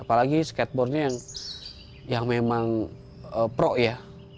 apalagi skateboardnya yang memang pro ya